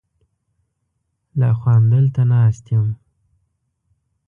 لا خو همدلته ناست یم.